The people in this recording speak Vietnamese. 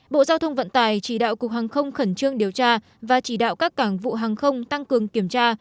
bộ giao thông vận tải chỉ đạo cục hàng không khẩn trương điều tra và chỉ đạo các cảng vụ hàng không tăng cường kiểm tra